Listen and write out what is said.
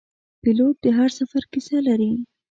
پیلوټ د هر سفر کیسه لري.